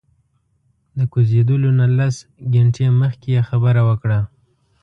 د کوزیدلو نه لس ګنټې مخکې یې خبره وکړه.